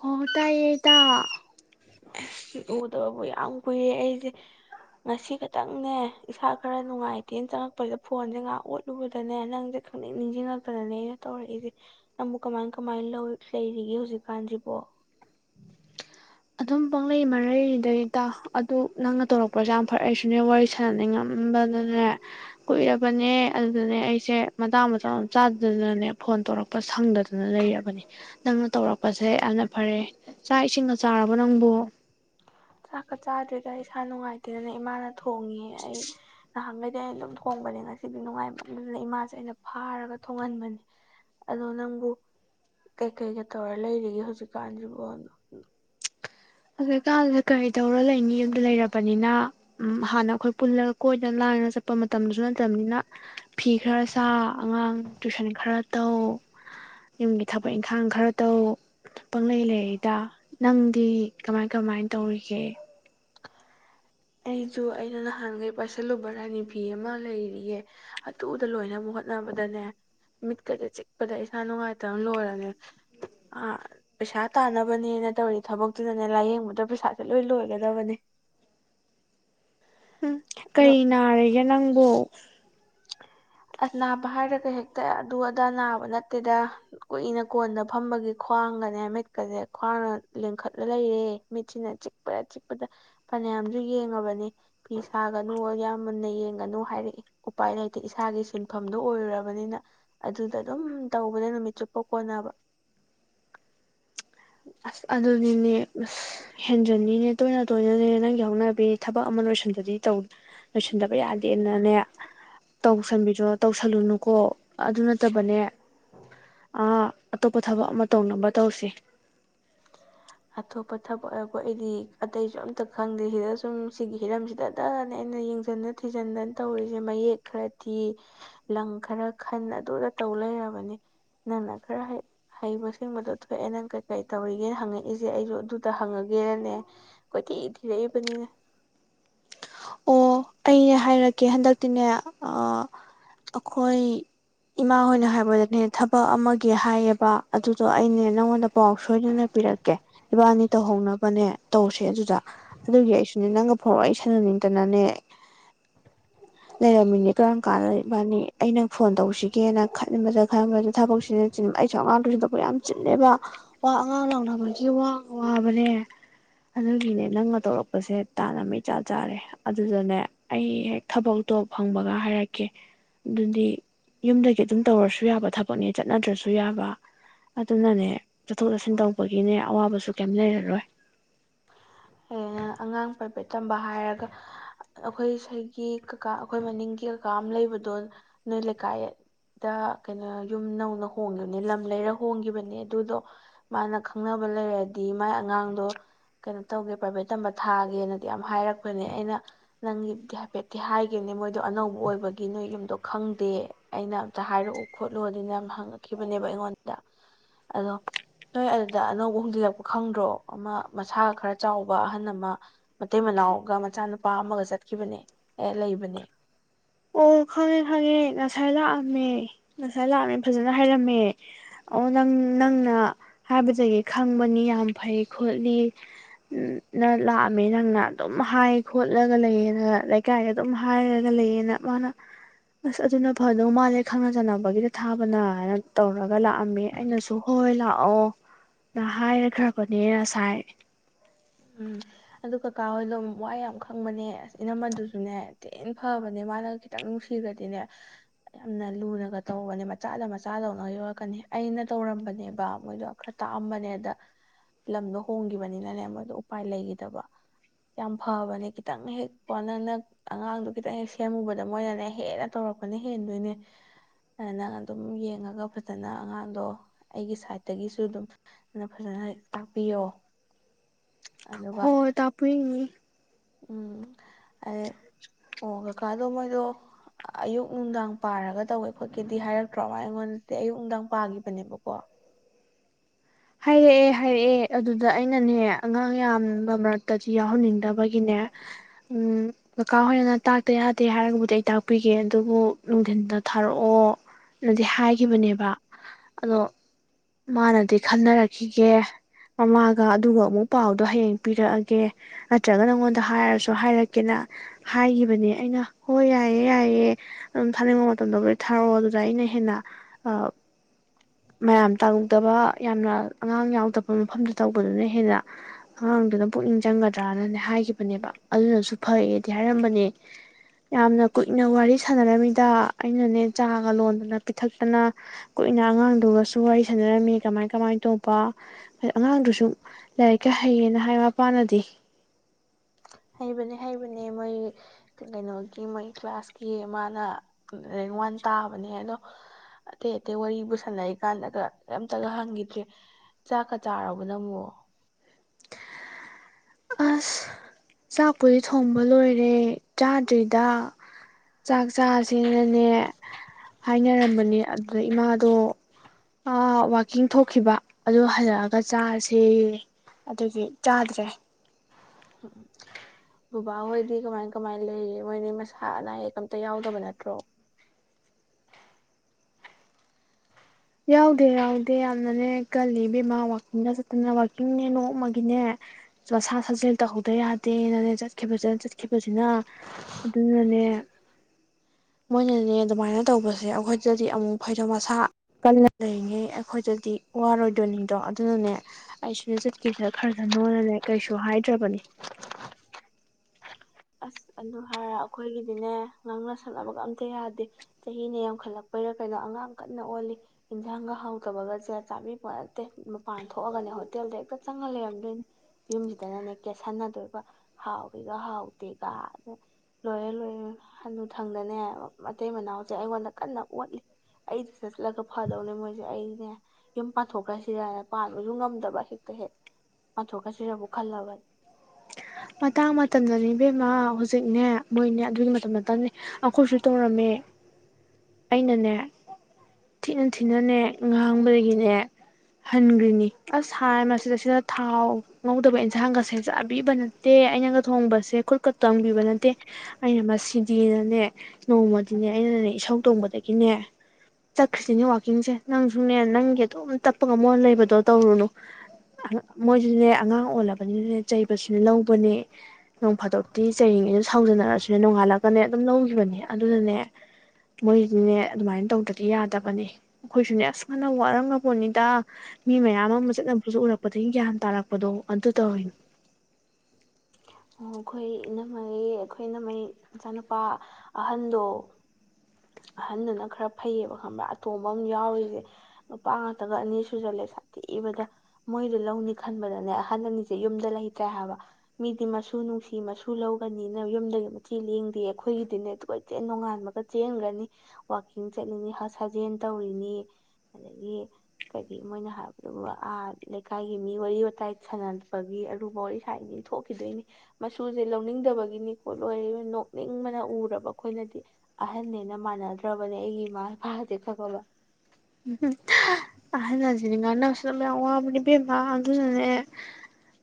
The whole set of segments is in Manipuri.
ꯍ ꯇꯥꯏ ꯌꯦꯗ ꯑꯁ ꯎꯗꯕꯕꯨ ꯌꯥꯝ ꯀꯨꯏꯔꯦ ꯑꯩꯁꯦ ꯉꯁꯤ ꯈꯛꯇꯪꯅꯦ ꯏꯁꯥ ꯈꯔ ꯅꯨꯡꯉꯥꯏꯇꯦꯅ ꯆꯪꯉꯛꯄꯁꯤꯗ ꯐꯣꯟꯁꯦ ꯉꯥꯏꯍꯥꯛ ꯑꯣꯠꯂꯨꯕꯗꯅꯦ ꯅꯪꯁꯦ ꯈꯪꯅꯤꯡ ꯅꯤꯡꯁꯤꯡꯉꯛꯇꯅꯅꯦ ꯑꯩꯅ ꯇꯧꯔꯛꯏꯁꯦ ꯅꯪꯕꯨ ꯀꯃꯥꯏ ꯀꯃꯥꯏꯅ ꯂꯩꯔꯤꯒꯦ ꯍꯧꯖꯤꯛꯀꯥꯟꯁꯤ꯭ꯕꯣ ꯑꯗꯨꯝ ꯄꯪꯂꯩ ꯃꯔꯩꯂꯩꯗ ꯑꯗꯨ ꯅꯪꯅ ꯇꯧꯔꯛꯄꯁꯦ ꯌꯥꯝ ꯐꯔꯦ ꯑꯩꯁꯨꯅꯦ ꯋꯥꯔꯤ ꯁꯥꯟꯅꯅꯤꯡꯉꯝꯕꯗꯅꯦ ꯀꯨꯏꯔꯕꯅꯦ ꯑꯗꯨꯗꯅꯦ ꯑꯩꯁꯦ ꯃꯇꯥꯡ ꯃꯇ ꯆꯥꯗꯗꯅꯅꯦ ꯐꯣꯟ ꯇꯧꯔꯛꯄ ꯁꯪꯗꯗꯅ ꯂꯩꯔꯕꯅꯦ ꯅꯪꯅ ꯇꯧꯔꯛꯄꯁꯦ ꯌꯥꯝꯅ ꯐꯔꯦ ꯆꯥꯛ ꯏꯁꯤꯡ ꯆꯥꯔꯕ ꯅꯪꯕꯨ ꯆꯥꯛꯀ ꯆꯥꯗ꯭ꯔꯤꯗ ꯏꯁꯥ ꯅꯨꯡꯉꯥꯏꯇꯦꯗꯅ ꯏꯃꯥꯅ ꯊꯣꯡꯉꯦ ꯑꯩ ꯅꯍꯥꯟꯉꯩ ꯑꯩꯅ ꯑꯗꯨꯝ ꯊꯣꯡꯕꯅꯦ ꯉꯁꯤꯗꯤ ꯅꯨꯡꯉꯥꯏ ꯃꯥꯟꯗ ꯗꯅ ꯏꯃꯥꯁꯦ ꯑꯩꯅ ꯐꯥꯔꯒ ꯊꯣꯡꯍꯟꯕꯅꯦ ꯑꯗꯣ ꯅꯪꯕꯨ ꯀꯩꯀꯩꯒ ꯇꯧꯔ ꯂꯩꯔꯤꯒꯦ ꯍꯧꯖꯤꯛꯀꯥꯟꯁꯤꯕꯨ ꯍꯧꯖꯤꯛꯀꯥꯟꯗ ꯀꯔꯤ ꯇꯧꯔ ꯂꯩꯅꯤ ꯌꯨꯝꯗ ꯂꯩꯔꯕꯅꯤꯅ ꯍꯥꯟꯅ ꯑꯩꯈꯣꯏ ꯄꯨꯜꯂꯒ ꯀꯣꯏꯗꯅ ꯂꯥꯟꯕ ꯆꯠꯄ ꯃꯇꯝꯗꯨꯁꯨ ꯅꯠꯇꯕꯅꯤꯅ ꯐꯤ ꯈꯔ ꯁꯥ ꯑꯉꯥꯡ ꯇꯨꯏꯁꯟ ꯈꯔ ꯇꯧ ꯌꯨꯝꯒꯤ ꯊꯕꯛ ꯏꯪꯈꯥꯡ ꯈꯔ ꯇꯧ ꯄꯪꯂꯩ ꯂꯩꯔꯤꯗ ꯅꯪꯒꯤ ꯀꯃꯥꯏ ꯀꯃꯥꯏ ꯇꯧꯔꯤꯒꯦ ꯑꯩꯁꯨ ꯑꯩꯅ ꯅꯍꯥꯟꯈꯩ ꯄꯥꯏꯁꯤꯜꯂꯨꯕ ꯔꯥꯅꯤ ꯐꯤ ꯑꯃ ꯂꯩꯔꯤꯌꯦ ꯑꯗꯨꯗ ꯂꯣꯏꯅꯕ ꯍꯣꯠꯅꯕꯗꯅꯦ ꯃꯤꯠꯀꯗ ꯆꯤꯛꯄꯗ ꯏꯁꯥ ꯅꯨꯡꯉꯥꯏꯇꯕꯅ ꯂꯣꯏꯔꯅꯦ ꯑ ꯄꯩꯁꯥ ꯇꯥꯟꯅꯕꯅꯦꯅ ꯇꯧꯔꯤ ꯊꯕꯛꯇꯨꯗꯅꯦ ꯂꯥꯏꯌꯦꯡꯕꯗ ꯄꯩꯁꯥꯁꯦ ꯂꯣꯏ ꯂꯣꯏ ꯕꯅꯦ ꯎꯝ ꯀꯔꯤ ꯅꯥꯔꯒꯦ ꯅꯪꯕꯨ ꯑꯁ ꯅꯥꯕ ꯍꯥꯏꯔꯒ ꯍꯦꯛꯇ ꯑꯗꯨ ꯑꯗꯥ ꯅꯥꯕ ꯅꯠꯇꯦꯗ ꯀꯨꯏꯅ ꯀꯣꯟꯅ ꯐꯝꯕꯒꯤ ꯈ꯭ꯋꯥꯡꯒꯅꯦ ꯃꯤꯠꯀꯁꯦ ꯈ꯭ꯋꯥꯡꯅ ꯂꯤꯡꯈꯠꯂ ꯂꯩꯔꯦ ꯃꯤꯠꯁꯤꯅ ꯆꯤꯛꯄꯗ ꯆꯤꯛꯄꯗ ꯐꯅꯌꯥꯝꯁꯨ ꯌꯦꯡꯉꯕꯅꯤ ꯐꯤ ꯁꯥꯒꯅꯨ ꯌꯥꯝ ꯃꯨꯟꯅ ꯌꯦꯡꯒꯅꯨ ꯍꯥꯏꯔꯛꯏ ꯎꯄꯥꯏ ꯂꯩꯇꯦ ꯏꯁ ꯏꯁꯥꯒꯤ ꯁꯤꯟꯐꯝꯗꯨꯣ ꯑꯣꯏꯔꯨꯔꯕꯅꯤꯅ ꯑꯗꯨꯗ ꯑꯗꯨꯝ ꯇꯧꯕꯗ ꯅꯨꯃꯤꯠ ꯆꯨꯞꯄ ꯀꯣꯟꯅꯕ ꯑꯁ ꯑꯗꯨꯅꯤꯅꯦ ꯑꯁ ꯍꯦꯟꯖꯟꯅꯤꯅꯦ ꯇꯣꯏꯅ ꯇꯣꯏꯅꯅꯦ ꯅꯪꯒꯤ ꯍꯧꯅꯕꯤ ꯊꯕꯛ ꯑꯃ ꯂꯣꯏꯁꯤꯟꯗꯕ ꯌꯥꯗꯦꯅꯅꯦ ꯇꯧꯁꯟꯕꯤꯗꯣ ꯇꯧꯁꯜꯂꯨꯅꯨꯀꯣ ꯑꯗꯨ ꯅꯠꯇꯕꯅꯦ ꯑ ꯑꯇꯣꯞꯄ ꯊꯕꯛ ꯑꯃ ꯇꯧꯅꯕ ꯇꯧꯁꯤ ꯑꯇꯣꯞꯄ ꯊꯕꯛꯕꯨ ꯑꯩꯗꯤ ꯑꯇꯩꯁꯨ ꯑꯃꯠꯇ ꯈꯪꯗꯦ ꯁꯤꯗ ꯁꯨꯝ ꯁꯤꯒꯤ ꯍꯤꯔꯝꯁꯤꯗꯗꯅꯦ ꯑꯩꯅ ꯌꯦꯡꯁꯤꯟꯅ ꯊꯤꯖꯤꯟꯗꯅ ꯇꯧꯔꯤꯁꯦ ꯃꯌꯦꯛ ꯈꯔ ꯊꯤ ꯂꯪ ꯈꯔ ꯈꯟ ꯑꯗꯨꯗ ꯇꯧ ꯂꯩꯔꯕꯅꯤ ꯅꯪꯅ ꯈꯔ ꯍꯩꯕ ꯁꯤꯡꯕꯗꯣ ꯊꯣꯛꯑꯦ ꯅꯪ ꯀꯩꯀꯩ ꯇꯧꯔꯤꯒꯦꯅ ꯍꯪꯉꯛꯏ ꯏꯁꯦ ꯑꯩꯁꯨ ꯑꯗꯨꯗ ꯍꯪꯉꯒꯦꯔꯅꯦ ꯀꯣꯏꯊꯤ ꯊꯤꯔꯛꯏꯕꯅꯤꯅꯦ ꯑꯣ ꯑꯩꯅꯦ ꯍꯥꯏꯔꯛꯀꯦ ꯍꯟꯗꯛꯇꯤꯅꯦ ꯑꯩꯈꯣꯏ ꯏꯃꯥ ꯍꯣꯏꯅ ꯍꯥꯏꯕꯗꯅꯦ ꯊꯕꯛ ꯑꯃꯒꯤ ꯍꯥꯏꯌꯦꯕ ꯑꯗꯨꯗꯣ ꯑꯩꯅꯦ ꯅꯪꯉꯣꯟꯗ ꯄꯥꯎ ꯁꯣꯏꯗꯅ ꯄꯤꯔꯛꯀꯦ ꯏꯕꯥꯅꯤ ꯇꯧꯍꯧꯅꯕꯅꯦ ꯇꯧꯁꯦ ꯑꯗꯨꯗ ꯑꯗꯨꯒꯤ ꯑꯩꯁꯨꯅꯦ ꯅꯪꯒ ꯐꯥꯎꯣꯔ ꯋꯥꯔꯤ ꯁꯥꯟꯅꯅꯤꯡꯉ ꯇ ꯅꯅꯦ ꯂꯩꯔꯝꯃꯤꯅꯦ ꯀꯔꯝ ꯀꯥꯟ ꯢꯕꯥꯅꯤ ꯑꯩꯅ ꯐꯣꯟ ꯇꯧꯁꯤꯒꯦꯅ ꯈꯟꯅꯤꯡꯕꯗ ꯈꯟꯂꯝꯕꯗꯁꯨ ꯊꯕꯛꯁꯤꯅ ꯆꯤꯟꯕ ꯑꯩꯁꯨ ꯑꯉꯥꯡꯗꯨꯁꯨ ꯊꯄꯛ ꯌꯥꯝ ꯆꯤꯜꯂꯦꯕ ꯋꯥ ꯑꯉꯥꯡ ꯂꯥꯎꯅꯕꯒꯤ ꯋꯥ ꯋꯥꯕꯅꯦ ꯑꯗꯨꯒꯤꯅꯦ ꯅꯪꯅ ꯇꯧꯔꯛꯄꯁꯦ ꯇꯥꯅꯕꯩꯆꯥ ꯆꯥꯔꯦ ꯑꯗꯨꯗꯅꯦ ꯑꯩ ꯍꯦꯛ ꯊꯕꯛꯇꯣ ꯐꯪꯕꯒ ꯍꯥꯏꯔꯛꯀꯦ ꯑꯗꯨꯗꯤ ꯌꯨꯝꯗꯒꯤ ꯑꯗꯨꯝ ꯇꯧꯔꯁꯨ ꯌꯥꯕ ꯊꯕꯛꯅꯦ ꯆꯠꯅꯗ꯭ꯔꯁꯨ ꯌꯥꯕ ꯑꯗꯨꯅꯅꯦ ꯆꯠꯊꯣꯛ ꯆꯠꯁꯤꯟ ꯇꯧꯕꯒꯤꯅꯦ ꯑꯋꯥꯕꯁꯨ ꯀꯌꯤꯝ ꯂꯩꯔꯔꯣꯏ ꯑ ꯑꯉꯥꯡ ꯄ꯭ꯔꯥꯏꯚꯦꯠ ꯇꯝꯕ ꯍꯥꯏꯔꯒ ꯑꯈꯣꯏ ꯁꯥꯏꯒꯤ ꯀꯀꯥ ꯑꯈꯣꯏ ꯃꯅꯤꯡꯒꯤ ꯀꯀꯥ ꯑꯃ ꯂꯩꯕꯗꯣ ꯅꯣꯏ ꯂꯩꯀꯥꯏꯗ ꯀꯩꯅꯣ ꯌꯨꯝ ꯅꯧꯅ ꯍꯣꯡꯈꯤꯕꯅꯦ ꯂꯝ ꯂꯩꯔ ꯍꯣꯡꯒꯤꯕꯅꯦ ꯑꯗꯨꯗꯣ ꯃꯥꯅ ꯈꯪꯅꯕ ꯂꯩꯔꯗꯤ ꯃꯥꯥꯏ ꯑꯉꯥꯡꯗꯣ ꯀꯩꯅꯣ [unintelligible] ꯄ꯭ꯔꯥꯏꯚꯦꯠ ꯇꯝꯕ ꯊꯥꯒꯦꯅꯗꯤ ꯌꯥꯝ ꯍꯥꯏꯔꯛꯄꯅꯦ ꯑꯩꯅ ꯅꯪꯒꯤꯗꯤ ꯍꯥꯏꯐꯦꯠꯇꯤ ꯍꯥꯏꯈꯤꯕꯅꯦ ꯃꯣꯏꯗꯣ ꯑꯅꯧꯕ ꯑꯣꯏꯕꯒꯤ ꯅꯣꯏ ꯌꯨꯝꯗꯣ ꯈꯪꯗꯦ ꯑꯩꯅ ꯑꯝꯇ ꯍꯥꯏꯔꯛꯎ ꯈꯣꯠꯂꯨ ꯑꯗꯨꯅ ꯌꯥꯝ ꯍꯪꯉꯛꯈꯤꯕꯅꯦꯕ ꯑꯩꯉꯣꯟꯗ ꯑꯗꯣ ꯅꯣꯏ ꯑꯗꯨꯗ ꯑꯅꯧꯕ ꯍꯣꯡꯖꯤꯜꯂꯛꯄ ꯈꯪꯗ꯭ꯔꯣ ꯑꯃ ꯃꯁꯥꯒ ꯈꯔ ꯆꯥꯎꯕ ꯑꯍꯟ ꯑꯃ ꯃꯇꯩ ꯃꯅꯥꯎꯒ ꯃꯆꯥꯅꯨꯄꯥ ꯑꯃꯒ ꯆꯠꯈꯤꯕꯅꯦ ꯑꯦ ꯂꯩꯕꯅꯦ ꯑꯣ ꯈꯪꯉꯦ ꯈꯪꯉꯦ ꯉꯁꯥꯏ ꯂꯥꯛꯑꯝꯃꯦ ꯉꯁꯥꯏ ꯂꯥꯛꯑꯃꯦ ꯐꯖꯅ ꯍꯥꯏꯔꯝꯃꯦ ꯑꯣ ꯅꯪ ꯅꯪꯅ ꯍꯥꯏꯕꯗꯒꯤ ꯈꯪꯕꯅꯤ ꯌꯥꯝ ꯐꯩ ꯈꯣꯠꯂꯤ ꯅ ꯂꯥꯛꯑꯝꯃꯦ ꯅꯪꯅ ꯑꯗꯨꯝ ꯍꯥꯏ ꯈꯣꯠꯂꯒ ꯂꯩꯌꯦꯅ ꯂꯩꯀꯥꯏꯗ ꯑꯗꯨꯝ ꯍꯥꯏꯔꯒ ꯂꯩꯌꯦꯅ ꯃꯥꯅ ꯑꯁ ꯑꯗꯨꯅ ꯐꯗꯧ ꯃꯥꯜꯂꯦ ꯈꯪꯅ ꯆꯅꯕꯒꯤꯗ ꯊꯥꯕꯅꯅ ꯇꯧꯔꯒ ꯂꯥꯛꯑꯝꯃꯦ ꯑꯩꯅꯁꯨ ꯍꯣꯏ ꯂꯥꯛꯑꯣ ꯅ ꯍꯥꯏꯈ꯭ꯔꯕꯅꯦ ꯉꯁꯥꯏ ꯎꯝ ꯑꯗꯨ ꯀꯀꯥ ꯍꯣꯏꯗꯣ ꯋꯥ ꯌꯥꯝ ꯈꯪꯕꯅꯦ ꯑꯁ ꯏꯅꯝꯃꯟꯗꯨꯁꯨꯅꯦ ꯊꯤꯅ ꯐꯕꯅꯦ ꯃꯥꯅꯒ ꯈꯤꯇꯪ ꯅꯨꯡꯁꯤꯒ꯭ꯔꯗꯤꯅꯦ ꯌꯥꯝꯅ ꯂꯨꯅꯒ ꯇꯧꯕꯅꯦ ꯃꯆꯥꯗ ꯃꯆꯥꯗꯧꯅ ꯌꯧꯔꯛꯀꯅꯤ ꯑꯩꯅ ꯇꯧꯔꯝꯕꯅꯦꯕ ꯃꯣꯏꯗꯣ ꯈꯔ ꯇꯥꯛꯑꯝꯕꯅꯦ ꯑꯗ ꯂꯝꯗꯣ ꯍꯣꯡꯈꯤꯕꯅꯤꯅꯅꯦ ꯃꯣꯏꯗꯣ ꯎꯄꯥꯏ ꯂꯩꯈꯤꯗ ꯕ ꯌꯥꯝ ꯐꯕꯅꯦ ꯈꯤꯇꯪ ꯍꯦꯛ ꯀꯣꯟꯅꯅ ꯑꯉꯥꯡꯗꯣ ꯈꯤꯇꯪ ꯍꯦꯛ ꯁꯦꯝꯃꯨꯕꯗ ꯃꯣꯏꯅꯅꯦ ꯍꯦꯟꯅ ꯇꯧꯔꯛꯄꯅ ꯍꯦꯟꯗꯣꯏꯅꯦ ꯑꯗꯨꯝ ꯌꯦꯡꯉꯒ ꯐꯖꯅ ꯑꯉꯥꯡꯗꯣ ꯑꯩꯒꯤ ꯁꯥꯏꯠꯇꯒꯤꯁꯨ ꯑꯗꯨꯝ ꯐꯖꯍꯦꯛ ꯇꯥꯛꯄꯤꯌꯣ ꯑꯗꯨꯒ ꯍꫭꯏ ꯇꯛꯄꯤꯅꯤ ꯎꯝ ꯑꯗ ꯑꯣ ꯀꯀꯥꯗꯣ ꯃꯣꯏꯗꯣ ꯑꯌꯨꯛ ꯅꯨꯡꯗꯥꯡ ꯄꯥꯔꯒ ꯇꯧꯒꯦ ꯈꯣꯠꯀꯦꯗꯤ ꯍꯥꯏꯔꯛꯇ꯭ꯔꯣ ꯃꯥ ꯑꯩꯉꯣꯟꯗꯗꯤ ꯑꯌꯨꯛ ꯅꯨꯡꯗꯥꯡ ꯄꯥꯒꯤꯕꯅꯦꯕꯀꯣ ꯍꯥꯏꯔꯛꯑꯦ ꯍꯥꯏꯔꯛꯑꯦ ꯑꯗꯨꯗ ꯑꯩꯅꯅꯦ ꯑꯉꯥꯡ ꯌꯥꯝꯕ ꯃꯔꯛꯇꯗꯤ ꯌꯥꯎꯍꯟꯅꯤꯡꯗꯕꯒꯤꯅꯦ ꯎꯝ ꯀꯀꯥ ꯍꯣꯏꯅ ꯇꯥꯛꯇ ꯌꯥꯗꯦ ꯍꯥꯏꯔꯒꯕꯨꯗꯤ ꯑꯩ ꯇꯥꯛꯄꯤꯒꯦ ꯑꯗꯨꯕꯨ ꯅꯨꯡꯗꯤꯟꯗ ꯊꯥꯔꯛꯑꯣꯅꯗꯤ ꯍꯥꯏ ꯈꯤꯕꯅꯦꯕ ꯑꯗꯣ ꯃꯥꯅꯗꯤ ꯈꯟꯅꯔꯛꯈꯤꯒꯦ ꯃꯃꯥꯒ ꯑꯗꯨꯒ ꯑꯃꯨꯛ ꯄꯥꯎꯗꯣ ꯍꯌꯦꯡ ꯄꯤꯔꯛꯑꯒꯦ ꯅꯠꯇ꯭ꯔꯒ ꯅꯪꯉꯣꯟꯗ ꯍꯥꯏꯔꯁꯨ ꯍꯥꯏꯔꯛꯀꯦꯅ ꯍꯥꯏꯒꯤꯕꯅꯦ ꯑꯩꯅ ꯍꯣꯏ ꯌꯥꯏꯌꯦ ꯌꯥꯏꯌꯦ ꯑꯗꯨꯝ ꯊꯥꯅꯤꯡꯕ ꯃꯇꯝꯗꯕꯨꯗꯤ ꯊꯥꯔꯛꯑꯣ ꯑꯗꯨꯗ ꯑꯩꯅ ꯍꯦꯟꯅ ꯑ ꯃꯌꯥꯝ ꯇꯧꯗꯕ ꯌꯥꯝꯅ ꯑꯉꯥꯡ ꯌꯥꯎꯗꯕ ꯃꯐꯝꯗ ꯇꯧꯕꯗꯨꯅ ꯍꯦꯟꯅ ꯑꯉꯥꯡꯗꯨꯅ ꯄꯨꯛꯅꯤꯡ ꯆꯪꯒꯗ꯭ꯔꯅꯅꯦ ꯍꯥꯏꯈꯤꯕꯅꯦꯕ ꯑꯗꯨꯅꯁꯨ ꯐꯩꯌꯦꯗꯤ ꯍꯥꯏꯔꯝꯕꯅꯦ ꯌꯥꯝꯅ ꯀꯨꯏꯅ ꯋꯥꯔꯤ ꯁ ꯁꯥꯟꯅꯔꯝꯃꯤꯗ ꯑꯩꯅꯅꯦ ꯆꯥꯒ ꯂꯣꯟꯗꯅ ꯄꯤꯊꯛꯇꯅ ꯀꯨꯏꯅ ꯑꯉꯥꯡ ꯁꯨ ꯋꯥꯔꯤ ꯁꯥꯟꯅꯔꯝꯃꯤ ꯀꯃꯥꯏ ꯀꯃꯥꯏ ꯇꯧꯕ ꯑꯉꯥꯡꯗꯨꯁꯨ ꯂꯥꯏꯔꯤꯛꯀ ꯍꯩꯌꯦꯅ ꯍꯥꯏ ꯃꯄꯥꯅꯗꯤ ꯍꯩꯕꯅꯦ ꯍꯩꯕꯅꯦ ꯃꯣꯏ ꯀꯩꯅꯣꯒꯤ ꯃꯣꯏ ꯀ꯭ꯂꯥꯁꯀꯤ ꯃꯥꯅ ꯔꯦꯡ ꯋꯥꯟ ꯇꯥꯕꯅꯦ ꯑꯗꯣ ꯑꯇꯩ ꯑꯇꯩ ꯋꯥꯔꯤꯕꯨ ꯁꯥꯟꯅꯔꯤꯀꯥꯟꯗꯒ ꯑꯩ ꯑꯝꯇꯒ ꯍꯪꯒꯤꯗ꯭ꯔꯦ ꯆꯥꯛꯀ ꯆꯥꯔꯕꫭ ꯅꯪꯕꫭ ꯑꯁ ꯆꯥꯛꯄꯨꯗꯤ ꯊꯣꯡꯕ ꯂꯣꯏꯔꯦ ꯆꯥꯗ꯭ꯔꯤꯗ ꯆꯥꯛ ꯆꯥꯁꯤꯅꯅꯦ ꯍꯥꯏꯅꯔꯝꯕꯅꯤ ꯑꯗꯨꯗ ꯏꯃꯥꯗꯣ ꯑꯥ ꯋꯥꯛꯀꯤꯡ ꯊꯣꯛꯈꯤꯕ ꯑꯗꯨ ꯍꯜꯂꯛꯑꯒ ꯆꯥꯁꯦꯌꯦ ꯑꯗꯨꯗꯤ ꯆꯥꯗ꯭ꯔꯦ ꯕꯕꯥꯍꯣꯏꯗꯤ ꯀꯃꯥꯏ ꯀꯃꯥꯏ ꯂꯩꯔꯤ ꯃꯣꯗꯤꯅꯤ ꯃꯁꯥ ꯑꯅꯥ ꯑꯌꯦꯛꯀ ꯑꯝꯇ ꯌꯥꯎꯗꯕ ꯅꯠꯇ꯭ꯔꯣ ꯌꯥꯎꯗꯦ ꯌꯥꯎꯗꯦ ꯌꯥꯝꯅꯅꯦ ꯀꯜꯂꯤ ꯏꯕꯦꯝꯃꯥ ꯋꯥꯛꯀꯤꯡꯒ ꯆꯠꯇꯅ ꯋꯥꯛꯀꯤꯡꯅꯦ ꯅꯣꯛꯝꯃꯒꯤꯅꯦ ꯃꯁꯥ ꯁꯥꯖꯦꯜ ꯇꯧꯍꯧꯗ ꯌꯥꯗꯦꯅꯅꯦ ꯆꯠꯈꯤꯁꯤꯅ ꯆꯠꯈꯤꯕꯁꯤꯅ ꯑꯗꯨꯅꯅꯦ ꯃꯣꯏꯅꯅꯦ ꯑꯗꯨꯃꯥꯏꯅ ꯇꯧꯕꯁꯦ ꯑꯩꯈꯣꯏ ꯖꯗꯤ ꯑꯃꯨꯛ ꯐꯩꯗ ꯃꯁꯥ ꯀꯟꯅ ꯂꯩꯔꯤꯉꯩ ꯑꯩꯈꯣꯏꯗꯗꯤ ꯋꯥꯔꯣꯏꯗꯣꯏꯅꯤꯗꯣ ꯑꯗꯨꯅꯅꯦ ꯑꯩꯁꯨꯅꯦ ꯆꯠꯀꯦ ꯆꯠꯈ꯭ꯔ ꯖꯅꫭꯅ ꯅꯦ ꯀꯩꯁꯨ ꯍꯥꯏꯗ꯭ꯔꯕꯅꯤ ꯑꯁ ꯑꯗꯨ ꯍꯥꯏꯔ ꯑꯩꯈꯣꯏꯒꯤꯗꯤꯅꯦ ꯉꯪꯅ ꯁꯥꯛꯅꯕꯒ ꯑꯝꯇ ꯌꯥꯗꯦ ꯆꯍꯤꯅꯦ ꯌꯥꯝꯈꯠꯂꯛꯄꯩꯔꯥ ꯀꯩꯅꯣ ꯑꯉꯥꯡ ꯀꯟꯅ ꯑꯣꯜꯂꯤ ꯏꯟꯖꯡꯒ ꯍꯥꯎꯇꯕꯒꯁꯦ ꯆꯥꯕꯤꯕꯣ ꯅꯠꯇꯦ ꯃꯄꯥꯟ ꯊꯣꯛꯑꯒꯅꯦ ꯍꯣꯇꯦꯜꯗ ꯍꯦꯛꯇ ꯆꯪꯉ ꯂꯩꯔꯝꯗꯣꯏꯅꯦ ꯌꯨꯝꯖꯤꯗꯅꯅꯦ ꯀꯦꯁꯥꯟꯟꯅꯗꯣꯏꯕ ꯍꯥꯎꯏꯒ ꯍꯥꯎ ꯇꯦꯀꯥ ꯂꯣꯏꯔꯦ ꯂꯣꯏꯔꯦ ꯍꯅꯨ ꯊꯪꯗꯅꯦ ꯃꯇꯩ ꯃꯅꯥꯎꯖꯦ ꯑꯩꯉꯣꯟꯗ ꯀꯟꯅ ꯑꯣꯠꯂꯤ ꯑꯩꯗ ꯆꯠꯂꯒ ꯐꯗꯧꯅꯦ ꯃꯣꯏꯖꯦ ꯑꯩꯅꯦ ꯌꯨꯝ ꯄꯥꯟꯊꯣꯛꯈ꯭ꯔꯁꯤꯔꯅ ꯄꯥꯟꯕꯁꯨ ꯉꯝꯗꯕ ꯍꯦꯛꯇ ꯍꯦꯛ ꯄꯥꯟꯊꯣꯛꯈ꯭ꯔꯁꯤꯔꯕꯨ ꯈꯜꯂꯕꯅꯦ ꯃꯇꯥꯡ ꯃꯇꯝꯅꯅꯤ ꯏꯕꯦꯝꯃ ꯍꯧꯖꯤꯛꯅꯦ ꯃꯣꯏꯅꯦ ꯑꯗꯨꯒꯤ ꯃꯇꯝ ꯅꯠꯇꯝꯅꯤ ꯑꯩꯈꯣꯏꯁꯨ ꯇꯧꯔꯝꯃꯦ ꯑꯩꯅꯅꯦ ꯊꯤꯅ ꯊꯤꯅꯅꯦ ꯉꯥꯡꯕꯗꯒꯤꯅꯦ ꯍꯟꯒ꯭ꯔꯤꯅꯤ ꯑꯁ ꯍꯥꯟꯅ ꯃꯁꯤꯗ ꯁꯤꯗ ꯊꯥꯎ ꯉꯧꯗꯕ ꯏꯟꯁꯥꯡꯒꯁꯦ ꯆꯥꯕꯤꯕꯅꯠ ꯇꯦ ꯑꯩꯅꯒ ꯊꯣꯡꯕꯁꯦ ꯈꯨꯠꯀ ꯇꯡꯕꯤꯕ ꯅꯠꯇꯦ ꯑꯩꯅ ꯃꯁꯤꯗꯤꯅꯅꯦ ꯅꯣꯡꯃꯗꯤꯅꯦ ꯑꯩꯅꯅꯦ ꯏꯁꯧ ꯇꯣꯡꯕꯗꯒꯤꯅꯦ ꯆꯠꯈ꯭ꯔꯤꯁꯤꯅꯦ ꯋꯥꯛꯀꯤꯡꯁꯦ ꯅꯪꯁꯨꯅꯦ ꯅꯪꯒꯤ ꯑꯗꯨꯝ ꯇꯞ ꯄꯒ ꯃꫭꯟ ꯂꯩꯕꯗꯣ ꯇꯧꯔꯨꯅꯨ ꯃꯣꯏꯖꯨꯅꯦ ꯑꯉꯥꯡ ꯑꯣꯜꯂꯕꯅꯤꯅꯅꯦ ꯆꯩꯕꯁꯤꯅ ꯂꯧ ꯕꯅꯦ ꯅꯣꯡ ꯐꯥꯗꯣꯛꯇꯤ ꯆꯩꯔꯤꯉꯩꯗ ꯁꯥꯎꯖꯟꯅꯔꯁꯨꯅꯦ ꯅꯣꯡꯉꯥꯜꯂꯒꯅꯦ ꯑꯗꯨꯝ ꯂꯧꯒꯤꯕꯅꯤ ꯑꯗꯨꯅꯅꯦ ꯃꯣꯏꯗꯤꯅꯦ ꯑꯗꯨꯃꯥꯏꯅ ꯇꯧꯗ꯭ꯔꯗꯤ ꯌꯥꯗꯕꯅꯤ ꯑꯩꯈꯣꯏꯁꯨꯅꯦ ꯑꯁ ꯌꯥꯝꯅ ꯋꯥꯔꯝꯒꯄꫭꯠꯅꯤꯗ ꯃꯤ ꯃꯌꯥꯝ ꯑꯃ ꯆꯠꯅꯕꯖꯨ ꯎꯔꯛꯄꯗꯒꯤ ꯒ꯭ꯌꯥꯟ ꯇꯥꯔꯛꯄꯗꯣ ꯑꯗꯨ ꯇꯧꯔꯤꯅꯤ ꯑꯣ ꯑꯩꯈꯣꯏ ꯏꯅꯝꯃꯩ ꯑꯩꯈꯣꯏ ꯏꯅꯝꯃꯩ ꯏꯆꯥꯅꯨꯄꯥ ꯑꯍꯟꯗꯣ ꯑꯍꯟꯗꯨꯅ ꯈꯔ ꯐꯩꯌꯦꯕ ꯈꯪꯕ꯭ꯔꯥ ꯑꯇꯣꯝꯕ ꯑꯃ ꯌꯥꯎꯔꯤꯖꯦ ꯅꯨꯄꯥ ꯉꯥꯛꯇꯒ ꯑꯅꯤ ꯁꯨꯖꯜꯂꯦ ꯁꯥꯊꯤꯕꯗ ꯃꯣꯏꯗ ꯂꯧꯅꯤ ꯈꯟꯕꯗꯅꯦ ꯑꯍꯟ ꯑꯅꯤꯖꯦ ꯌꯨꯝꯗ ꯂꯩꯇ꯭ꯔꯦ ꯍꯥꯏꯕ ꯃꯤꯗꯤ ꯃꯁꯨ ꯅꯨꯡꯁꯤ ꯃꯁꯨ ꯂꯧꯒꯅꯤꯅ ꯌꯨꯝꯗꯒꯤ ꯃꯆꯤ ꯂꯦꯡꯗꯦ ꯑꯩꯈꯣꯏꯒꯤꯗꯤꯅꯦ ꯅꯣꯡꯉꯥꯟꯕꯒ ꯆꯦꯟꯈꯒ꯭ꯔꯅꯤ ꯋꯥꯛꯀꯤꯡ ꯆꯠꯂꯤꯅꯤ ꯁꯥꯖꯦꯜ ꯇꯧꯔꯤꯅꯤ ꯑꯗꯒꯤ ꯀꯔꯤ ꯃꯣꯏꯅ ꯍꯥꯏꯕꯗꯨꯕꯨ ꯑꯥ ꯂꯩꯀꯥꯏꯒꯤ ꯃꯤ ꯋꯥꯔꯤ ꯋꯥꯇꯥꯏ ꯁꯥꯟꯅꯕꯒꯤ ꯑꯔꯨꯕ ꯋꯥꯔꯤ ꯁꯥꯏꯅꯤ ꯊꯣꯛꯈꯤꯗꯣꯏꯅꯤ ꯃꯁꯨꯖꯦ ꯂꯧꯅꯤꯡꯗꯕꯒꯤꯅꯤ ꯂꯣꯏꯔꯦ ꯏꯕꯦꯝꯃ ꯅꯣꯛꯅꯤꯡꯕꯅ ꯎꯔꯕ ꯑꯩꯈꯣꯏꯅꯗꯤ ꯑꯍꯟꯅꯦꯅ ꯃꯥꯟꯅꯗ꯭ꯔꯕꯅꯦ ꯑꯩꯒꯤ ꯏꯃꯥ ꯏꯄꯥꯒꯖꯦ ꯈꯪꯉꯕ ꯎꯝ ꯑꯍꯜꯑꯖꯤꯗꯤ ꯉꯥꯡꯅ ꯁꯛꯅꯕ ꯌꯥꯝ ꯋꯥꯕꯅꯦ ꯏꯕꯦꯝꯃ ꯑꯗꯨꯅꯅꯦ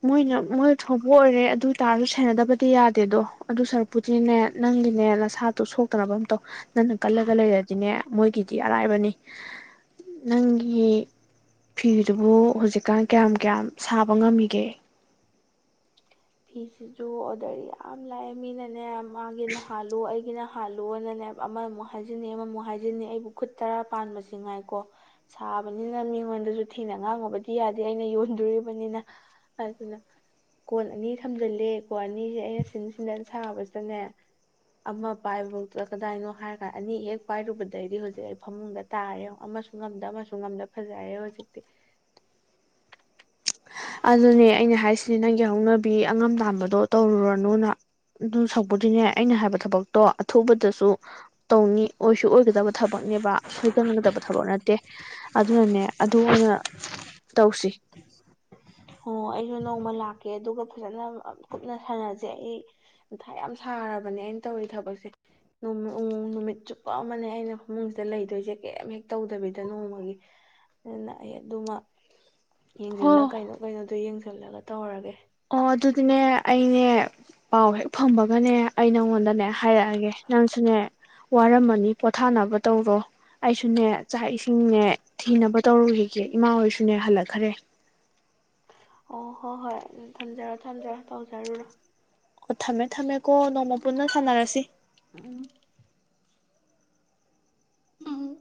ꯃꯣꯏꯅ ꯃꯣꯏ ꯊꯣꯛꯄ ꯑꯣꯏꯔꯦ ꯑꯗꯨ ꯑꯣꯏ ꯇꯥꯔꯖꯨ ꯁꯦꯟꯅꯗꯕꯗꯤ ꯌꯥꯗꯦꯗꯣ ꯑꯗꯨ ꯁꯔꯨꯛꯄꯨꯗꯤꯅꯦ ꯅꯪꯒꯤꯅꯦ ꯅꯁꯥꯗꫭ ꯁꯣꯛꯇꯅꯕ ꯑꯝꯇꯧ ꯅꯪꯅ ꯀꯜꯂꯒ ꯂꯩꯔꯗꯤꯅꯦ ꯃꯣꯏꯒꯤꯗꯤ ꯑꯔꯥꯏꯕꯅꯤ ꯅꯪꯒꯤ ꯐꯤꯗꯨꯕꯨ ꯍꯧꯖꯤꯛꯀꯥꯟ ꯀꯌꯥꯝ ꯀꯌꯥꯝ ꯁꯥꯕ ꯉꯝꯃꯤꯒꯦ ꯐꯤꯁꯤꯁꯨ ꯑꯣꯗꯔ ꯌꯥꯝ ꯂꯥꯛꯑꯦ ꯃꯤꯅꯅꯦ ꯃꯥꯒꯤꯅ ꯍꯥꯜꯂꯨ ꯑꯩꯒꯤꯅ ꯍꯥꯜꯂꯣꯅꯅꯦ ꯑꯃꯃꯨꯛ ꯍꯥꯏꯖꯤꯟꯅꯤ ꯑꯃꯃꯨꯛ ꯍꯥꯏꯖꯤꯟꯅꯤ ꯑꯩꯕꯨ ꯈꯨꯠ ꯇꯔꯥ ꯄꯥꯟꯕꯁꯤ ꯉꯥꯏꯀꯣ ꯁꯥꯕꯅꯤꯅ ꯃꯤꯉꯣꯟꯗꯁꯨ ꯊꯤꯅ ꯉꯥꯡꯉꯨꯕꯗꯤ ꯌꯥꯗꯦ ꯑꯩꯅ ꯌꯣꯟꯗꯣꯔꯤꯕꯅꯤꯅ ꯑꯗꯨꯅ ꯀꯣꯟ ꯑꯅꯤ ꯊꯝꯖꯤꯜꯂꯦ ꯀꯣꯟ ꯑꯅꯤꯁꯦ ꯑꯩꯅ ꯁꯤꯟ ꯁꯤꯟꯗ ꯁꯥꯕꯁꯤꯗꯅꯦ ꯑꯃ ꯄꯥꯏꯕꯐꯧꯗ ꯀꯗꯥꯏꯅꯣ ꯍꯥꯏꯔꯀꯥꯟꯗ ꯑꯅꯤ ꯍꯦꯛ ꯄꯥꯏꯔꯨꯕꯗꯩꯗꯤ ꯍꯧꯖꯤꯛ ꯑꯩ ꯐꯃꯨꯡꯗ ꯇꯥꯔꯦ ꯑꯃꯁꯨ ꯉꯝꯗ ꯑꯃꯁꯨ ꯉꯝꯗ ꯐꯖꯔꯦ ꯍꯧꯖꯤꯛꯇꯤ ꯑꯗꯨꯅꯦ ꯑꯩꯅ ꯍꯥꯏꯔꯤꯁꯤꯅꯦ ꯅꯪ ꯍꯧꯅꯕꯤ ꯑꯉꯝ ꯇꯥꯟꯕꯗꯣ ꯇꯧꯔꯨꯔꯅꯨꯅ ꯑꯗꯨ ꯁꯛꯄꯗꯨꯅꯦ ꯑꯩꯅ ꯍꯥꯏꯕ ꯊꯕꯛꯇꯣ ꯑꯊꯨꯕꯗꯁꯨ ꯇꯧꯅꯤ ꯑꯣꯏꯁꯨ ꯑꯣꯏꯒꯗꯕ ꯊꯕꯛꯅꯦꯕ ꯁꯣꯏꯒꯟꯒꯗꯕ ꯊꯕꯛ ꯅꯠꯇꯦ ꯑꯗꯨꯅꯅꯦ ꯑꯗꯨ ꯑꯣꯏꯅ ꯇꯧꯁꯤ ꯑꯣ ꯑꯩꯁꯨ ꯅꯣꯡꯃ ꯂꯥꯛꯀꯦ ꯑꯗꯨꯒ ꯐꯖꯅ ꯀꯨꯞꯅ ꯁꯥꯟꯅꯁꯦ ꯑꯩ ꯃꯊꯥ ꯌꯥꯝ ꯁꯥꯔꯕꯅꯦ ꯑꯩꯅ ꯇꯧꯔꯤ ꯊꯕꯛꯁꯦ ꯅꯨꯃꯤꯠ ꯆꯨꯞꯄ ꯑꯃꯅꯦ ꯑꯩꯅ ꯐꯃꯨꯡꯁꯤꯗ ꯂꯩꯗꯣꯏꯁꯦ ꯀꯦꯝ ꯍꯦꯛ ꯇꯧꯗꯕꯤꯗ ꯅꯣꯡꯃꯒꯤ ꯑꯗꯨꯅ ꯑꯩ ꯑꯗꯨꯃ ꯌꯦꯡꯁꯤꯜꯂ ꯍꯣ ꯀꯩꯅꯣ ꯀꯩꯅꯣꯗꯣ ꯌꯦꯡꯁꯤꯜ ꯖꯤꯜꯂꯒ ꯇꯧꯔꯒꯦ ꯑꯣ ꯑꯗꯨꯗꯤꯅꯦ ꯑꯩꯅꯦ ꯄꯥꯎ ꯍꯦꯛ ꯐꯝꯃꯒꯅꯦ ꯑꯩ ꯅꯪꯉꯣꯟꯗꯅꯦ ꯍꯥꯏꯔꯛꯑꯒꯦ ꯅꯪꯁꯨꯅꯦ ꯋꯥꯔꯝꯃꯅꯤ ꯄꯣꯊꯥꯅꯕ ꯇꯧꯔꯣ ꯑꯩꯁꯨꯅꯦ ꯆꯥꯛ ꯏꯁꯤꯡꯅꯦ ꯊꯤꯅꯕ ꯇꯧꯔꯨꯈꯤꯒꯦ ꯏꯃꯥ ꯍꯣꯏꯁꯨ ꯅꯦ ꯍꯜꯂꯛꯈ꯭ꯔꯦ ꯑꯣ ꯍꯣꯏ ꯍꯣꯏ ꯊꯝꯖꯔꯣ ꯊꯝꯖꯔꯣ ꯇꯧꯖꯔꯨꯔꯣ ꯊꯝꯃꯦ ꯊꯝꯃꯦ ꯀꯣ ꯅꯣꯡꯃ ꯄꯨꯟꯅ ꯁꯥꯟꯅꯔꯁꯤ ꯎꯝ ꯎꯝ